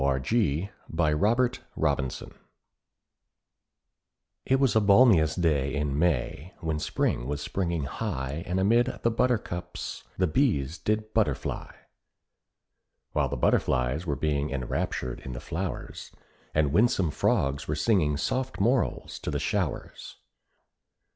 THE BALLAD OF THE GREEN OLD MAN It was a balmeous day in May, when spring was springing high And all amid the buttercups the bees did butterfly; While the butterflies were being enraptured in the flowers, And winsome frogs were singing soft morals to the showers.